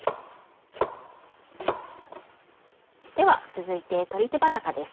では続いて鶏手羽中です。